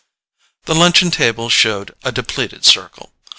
The luncheon table showed a depleted circle.